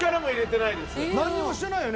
なんにもしてないよね？